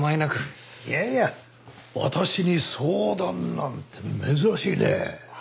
いやいや私に相談なんて珍しいね。